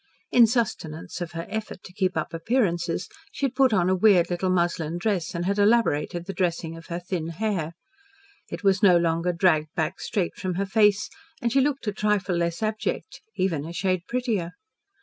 In sustenance of her effort to keep up appearances, she had put on a weird little muslin dress and had elaborated the dressing of her thin hair. It was no longer dragged back straight from her face, and she looked a trifle less abject, even a shade prettier.